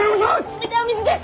冷たいお水です！